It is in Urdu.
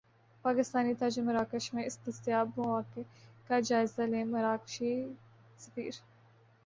پاکستانی تاجر مراکش میں دستیاب مواقع کا جائزہ لیں مراکشی سفیر